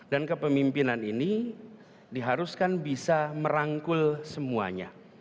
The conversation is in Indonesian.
dan kepemimpinan ini diharuskan bisa merangkul semua